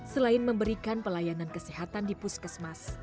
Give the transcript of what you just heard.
selain memberikan pelayanan kesehatan di puskesmas